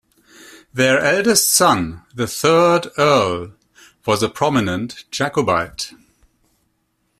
Their eldest son, the third Earl, was a prominent Jacobite.